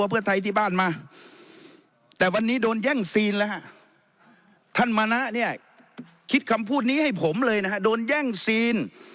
เพื่อไทยที่บ้านมาแต่วันนี้โดนแยกซี